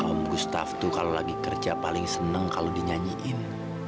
om gustaf tuh kalau lagi kerja paling seneng kalau dinyanyiin